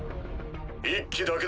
１機だけだ。